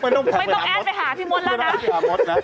ไม่ต้องแอดไปหาพี่มดแล้วนะ